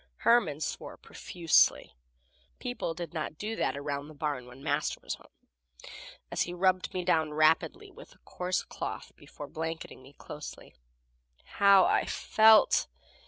Herman swore profusely (people did not do that around the barn when Master was home) as he rubbed me down rapidly with a coarse cloth before blanketing me closely. How I felt!